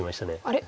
あれ？